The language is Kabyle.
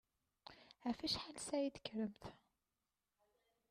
Ɣef wacḥal ssaɛa i d-tekkremt?